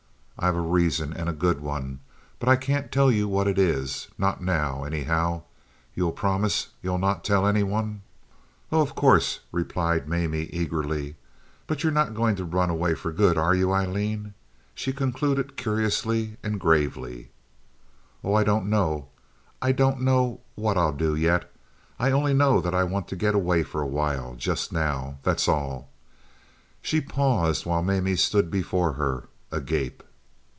I've a reason, and a good one, but I can't tell you what it is—not now, anyhow. You'll promise not to tell any one." "Oh, of course," replied Mamie eagerly. "But you're not going to run away for good, are you, Aileen?" she concluded curiously and gravely. "Oh, I don't know; I don't know what I'll do yet. I only know that I want to get away for a while, just now—that's all." She paused, while Mamie stood before her, agape.